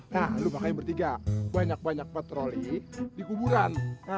nah lu pakai bertiga banyak banyak petroli di kuburan